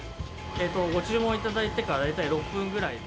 ご注文を頂いてから大体６分ぐらいで。